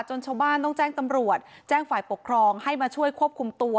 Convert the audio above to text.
ชาวบ้านต้องแจ้งตำรวจแจ้งฝ่ายปกครองให้มาช่วยควบคุมตัว